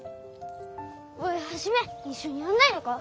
おいハジメ一緒にやんないのか？